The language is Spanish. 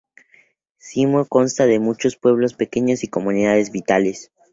Simo consta de muchos pueblos pequeños y comunidades vitales.